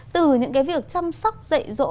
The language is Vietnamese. từ những cái việc chăm sóc dạy dỗ